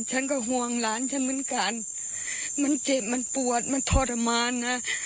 ฉันก็ห่วงหลานฉันเหมือนกันมันเจ็บมันปวดมันทรมานนะ